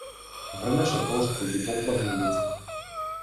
Врнеше дожд кој ги поплави улиците.